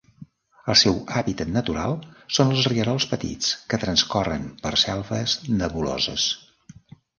El seu hàbitat natural són els rierols petits que transcorren per selves nebuloses.